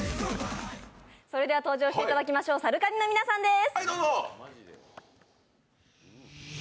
それでは登場していただきましょう、ＳＡＲＵＫＡＮＩの皆さんです。